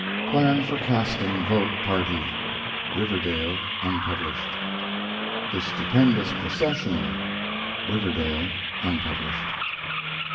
PLAN FOR CASTING VOTE PARTY (Riverdale) (unpublished). THE STUPENDOUS PROCESSION (Riverdale) (unpublished).